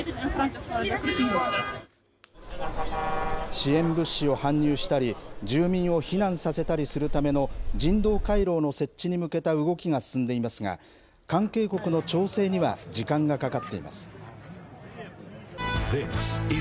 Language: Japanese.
支援物資を搬入したり、住民を避難させたりするための人道回廊の設置に向けた動きが進んでいますが、関係国の調整には時間がかかっています。